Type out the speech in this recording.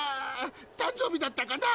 誕生日だったかな？